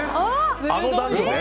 あの男女で？